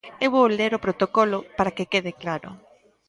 Eu vou ler o protocolo, para que quede claro.